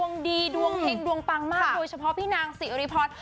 โดรกดีดวงเท็งดวงปังมากด้วยเฉพาะพี่นางสิริพร